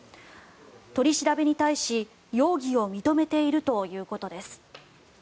取り調べに対し、容疑を認めているということです。